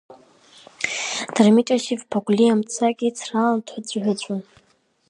Дырмит Иосиф-иԥа Гәлиа мцак ицралан дҳәыҵәы-ҳәыҵәуан.